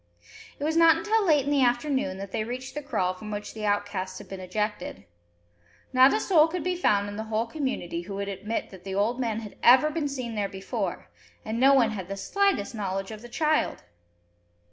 It was not until late in the afternoon that they reached the kraal from which the outcasts had been ejected. Not a soul could be found in the whole community who would admit that the old man had ever been seen there before, and no one had the slightest knowledge of the child!